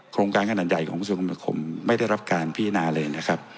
โครงการขนาดใหญ่ของมุษยธรรมคมไม่ได้รับการพี่นาเลย